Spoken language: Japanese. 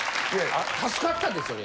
助かったでそれ。